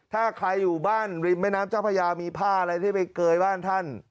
ถ้าใครอยู่บ้านริมแม่น้ำเจ้าพญามีผ้าอะไรที่ไปเกยบ้านท่าน